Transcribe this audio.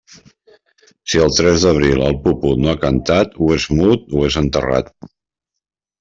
Si el tres d'abril el puput no ha cantat, o és mut o és enterrat.